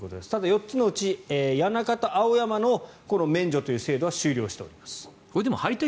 ４つのうち谷中と青山の免除制度は終了しております。